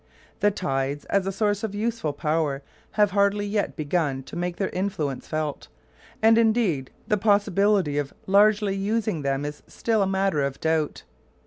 The tides as a source of useful power have hardly yet begun to make their influence felt, and indeed the possibility of largely using them is still a matter of doubt.